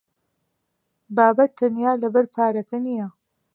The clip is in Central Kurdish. بابەت تەنیا لەبەر پارەکە نییە.